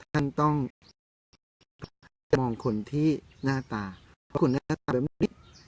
ท่านต้องมองคนที่หน้าตาเพราะคุณแม่หน้าตาแบบนี้